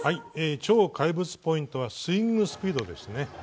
超怪物ポイントはスイングスピードですね。